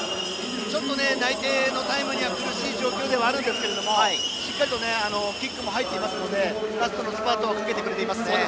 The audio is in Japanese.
内定のタイムには苦しい状況ではあるんですけどもしっかりとキックも入っていますのでラストスパートかけていますね。